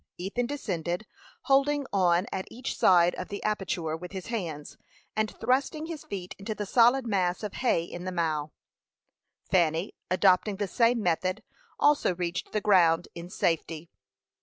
Ethan descended, holding on at each side of the aperture with his hands, and thrusting his feet into the solid mass of hay in the mow. Fanny, adopting the same method, also reached the ground in safety.